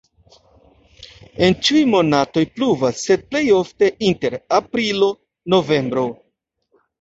En ĉiuj monatoj pluvas, sed plej ofte inter aprilo-novembro.